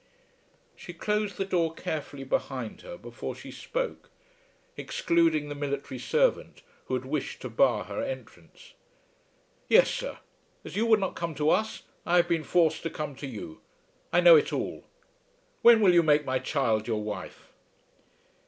She closed the door carefully behind her before she spoke, excluding the military servant who had wished to bar her entrance. "Yes, sir; as you would not come to us I have been forced to come to you. I know it all. When will you make my child your wife?"